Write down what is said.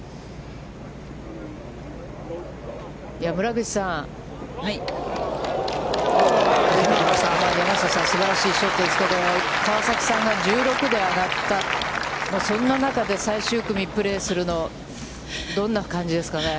村口さん、山下さん、すばらしいショットでしたけど、川崎さんが１６で上がった、そんな中で最終組でプレーするのはどんな感じですかね。